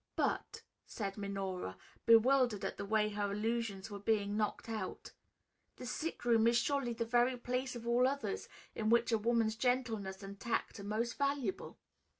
"But," said Minora, bewildered at the way her illusions were being knocked about, "the sick room is surely the very place of all others in which a woman's gentleness and tact are most valuable."